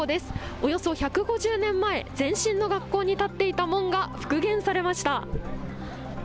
およそ１５０年前、前身の学校に建っていた門が復元されました。